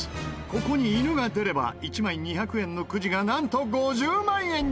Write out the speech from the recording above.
ここに犬が出れば１枚２００円のくじがなんと５０万円に。